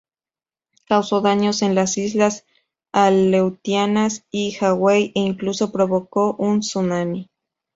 Causó daños en las Islas Aleutianas y Hawaii, e incluso provocó un tsunami.